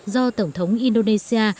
do tổng thống indonesia